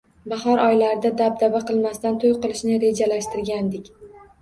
Bahor oylarida dab daba qilmasdan toʻy qilishni rejalashtirgandik